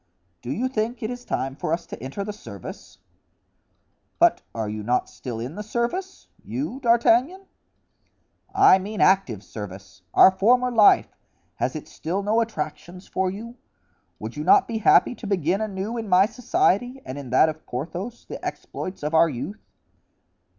"Do you think it is time for us to enter the service?" "But are you not still in the service—you, D'Artagnan?" "I mean active service. Our former life, has it still no attractions for you? would you not be happy to begin anew in my society and in that of Porthos, the exploits of our youth?"